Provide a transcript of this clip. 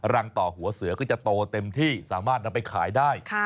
ต่อหัวเสือก็จะโตเต็มที่สามารถนำไปขายได้